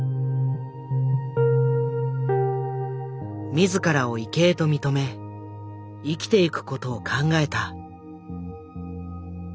自らを異形と認め生きていく事を考えた。